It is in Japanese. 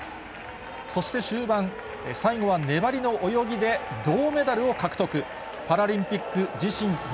そして終盤、最後は粘りの泳ぎで銅メダルを獲得。